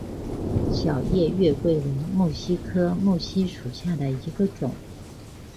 小叶月桂为木犀科木犀属下的一个种。